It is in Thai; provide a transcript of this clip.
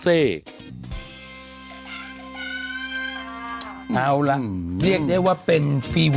เอาล่ะเรียกได้ว่าเป็นฟีวอ